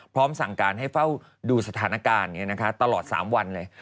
พร้อมสั่งการให้เฝ้าดูสถานการณ์ตลอด๓วันเลย